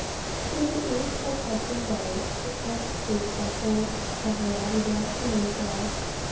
To the east of Hudson Bay it constitutes the whole of the Labrador Peninsula.